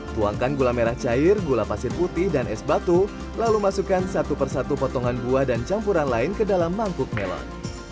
tuangkan gula merah cair gula pasir putih dan es batu lalu masukkan satu persatu potongan buah dan campuran lain ke dalam mangkuk melon